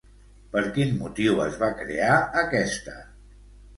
Per quin motiu es va crear aquesta?